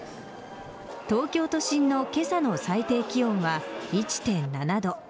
東京都心の今朝の最低気温は１．７度。